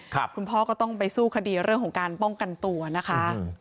คุณพ่อก็ต้องไปสู้คดีเรื่องของการป้องกันตัวนะคะ